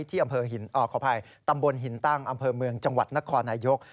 ที่ตำบลหินตั้งอำเภอเมืองจังหวัดนครนายก